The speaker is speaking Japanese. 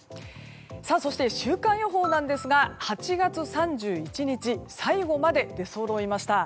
そして、週間予報なんですが８月３１日最後まで出そろいました。